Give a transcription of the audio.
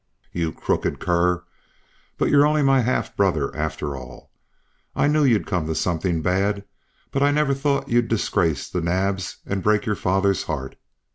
"You crooked cur! But you're only my half brother, after all. I always knew you'd come to something bad, but I never thought you'd disgrace the Naabs and break your father's heart.